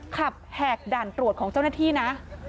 แหกด่านตรวจของเจ้าหน้าที่นะ